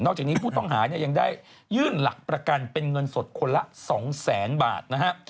จากนี้ผู้ต้องหาเนี่ยยังได้ยื่นหลักประกันเป็นเงินสดคนละ๒แสนบาทนะฮะ